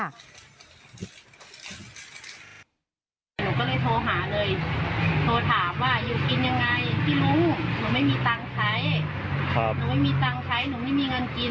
ถ้าให้หนูทำวันละ๑๐๐ก็เอานะเขาว่าอย่างนี้